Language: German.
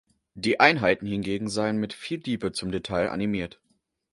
Die Einheiten hingegen seien mit viel Liebe zum Detail animiert.